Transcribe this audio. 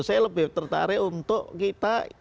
saya lebih tertarik untuk kita